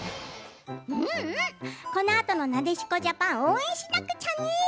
このあとのなでしこジャパン応援しなくちゃね。